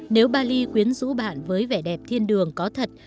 nếu bali quyến rũ bạn với vẻ đẹp thiên đường có thật